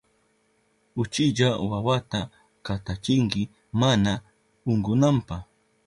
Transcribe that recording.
Uchilla wawata katachinki mana unkunanpa.